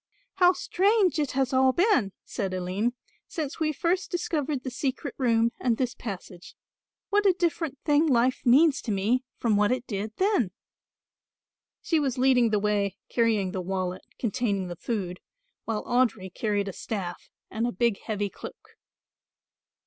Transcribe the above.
"How strange it has all been," said Aline, "since we first discovered the secret room and this passage. What a different thing life means to me from what it did then!" She was leading the way carrying the wallet containing the food, while Audry carried a staff and a big heavy cloak.